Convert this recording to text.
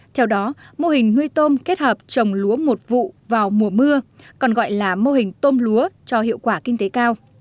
theo đó mô hình nuôi tôm kết hợp trồng lúa một vụ vào mùa mưa còn gọi là mô hình tôm lúa cho hiệu quả kinh tế cao